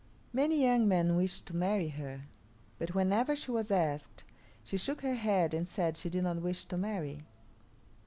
Many young men wished to marry her, but whenever she was asked she shook her head and said she did not wish to marry.